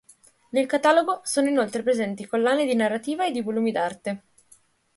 Nel catalogo sono inoltre presenti collane di narrativa e di volumi d'arte.